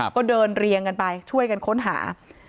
ก็เดินเรียงกันไปช่วยกันค้นหา